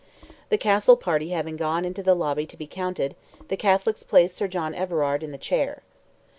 The Castle party having gone into the lobby to be counted, the Catholics placed Sir John Everard in the Chair.